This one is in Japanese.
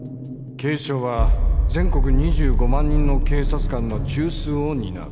警視庁は全国２５万人の警察官の中枢を担う。